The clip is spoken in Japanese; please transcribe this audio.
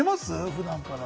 普段から。